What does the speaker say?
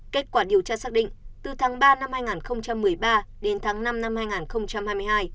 kết quả điều tra xác định từ tháng ba năm hai nghìn một mươi ba đến tháng năm năm hai nghìn hai mươi hai